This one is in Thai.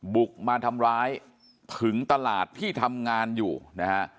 บุกมาทำร้ายถึงตลาดที่ทำงานอยู่นะฮะ